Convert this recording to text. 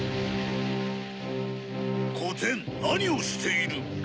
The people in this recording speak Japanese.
こてんなにをしている！